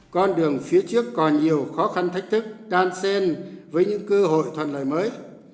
con đường phía trước còn nhiều khó khăn thách thức đan xen với những cơ hội thuận lời mới